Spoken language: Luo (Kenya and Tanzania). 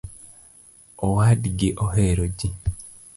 Owadgi ohero jii